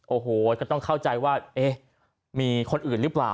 โอ้โหก็ต้องเข้าใจว่าเอ๊ะมีคนอื่นหรือเปล่า